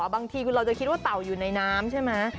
บางทีคุณเราจะคิดว่าเต่าอยู่ในน้ำใช่ไหม